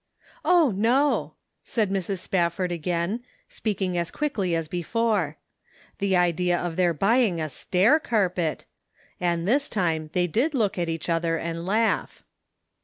" Oh, no !" said Mrs. Spafford again, speak ing as quickly as before ; the idea of their buy ing a stair carpet I And this time they did look at each other and laugh.